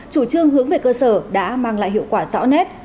chủ trương hướng về cơ sở đã mang lại hiệu quả rõ nét